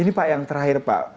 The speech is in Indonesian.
ini pak yang terakhir pak